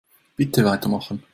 Bitte weitermachen.